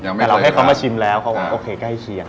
แต่เราให้เขามาชิมแล้วเขาก็โอเคใกล้เคียง